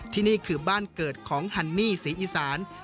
นี่คือบ้านเกิดของฮันนี่ศรีอีสาน